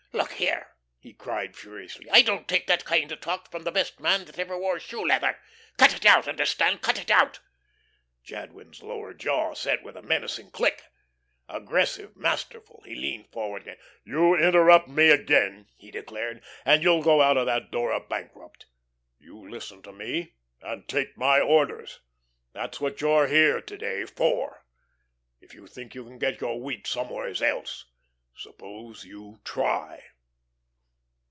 "Look here," he cried, furiously, "I don't take that kind of talk from the best man that ever wore shoe leather. Cut it out, understand? Cut it out." Jadwin's lower jaw set with a menacing click; aggressive, masterful, he leaned forward. "You interrupt me again," he declared, "and you'll go out of that door a bankrupt. You listen to me and take my orders. That's what you're here to day for. If you think you can get your wheat somewheres else, suppose you try."